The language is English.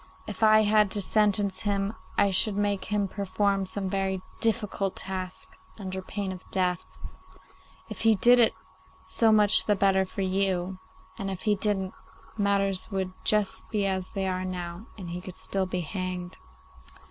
If I had to sentence him I should make him perform some very difficult task, under pain of death. If he did it so much the better for you, and if he didn't, matters would just be as they are now and he could still be hanged.